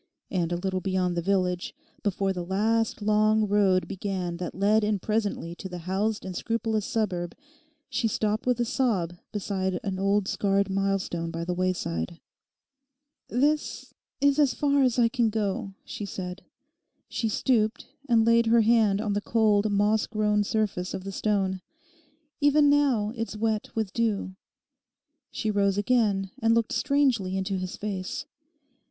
And a little beyond the village, before the last, long road began that led in presently to the housed and scrupulous suburb, she stopped with a sob beside an old scarred milestone by the wayside. 'This—is as far as I can go,' she said. She stooped, and laid her hand on the cold moss grown surface of the stone. 'Even now it's wet with dew.' She rose again and looked strangely into his face.